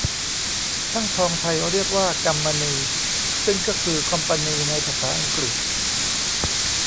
ช่างทองไทยเรียกว่ากำมนี ซึ่งก็คือคอมพานีในภาษาอังกฤษ